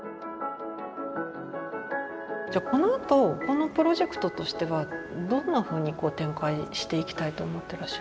じゃあこのあとこのプロジェクトとしてはどんなふうにこう展開していきたいと思っていらっしゃいますか？